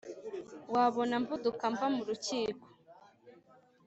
Wabona mvuduka mva mu rukiko